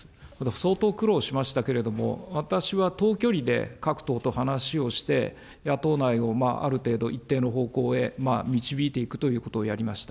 相当苦労しましたけれども、等距離で各党と話をして、野党内をある程度、一定の方向へ導いていくということをやりました。